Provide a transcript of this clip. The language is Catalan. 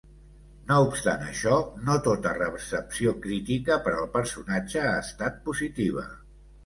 No obstant això, no tota recepció crítica per al personatge ha estat positiva.